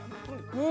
うん！